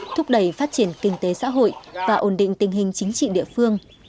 thúc đẩy phát triển kinh tế xã hội và ổn định tình hình chính trị địa phương